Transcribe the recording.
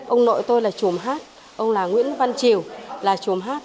ông nội tôi là trùm hát ông là nguyễn văn triều là trùm hát